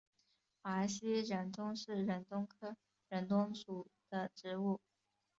华西忍冬是忍冬科忍冬属的植物。